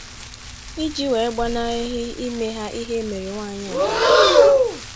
iji wee gbanahị ime ha ihe e mere nwaanyị ajadụ.